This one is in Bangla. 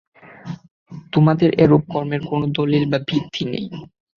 তোমাদের এরূপ কর্মের কোন দলীল বা ভিত্তি নেই।